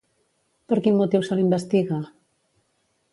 Per quin motiu se l'investiga?